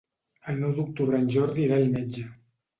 El nou d'octubre en Jordi irà al metge.